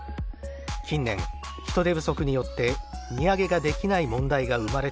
近年人手不足によって荷揚げができない問題が生まれているのだ。